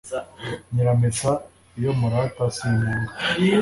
Nyirampeta iyo murata simpunga,